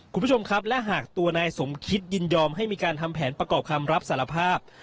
คุณผู้ชมครับและหากตัวนายสมคิดยินยอมให้มีการทำแผนประกอบคำรับสารภาพ